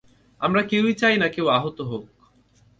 আমরা কেউই চাইনা কেউ আহত হোক!